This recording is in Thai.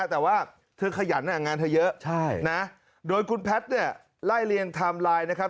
แต่ว่าเธอขยันงานเธอเยอะนะโดยคุณแพทย์เนี่ยไล่เลียงไทม์ไลน์นะครับ